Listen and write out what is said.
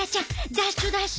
ダッシュダッシュ。